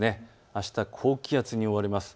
あした高気圧に覆われます。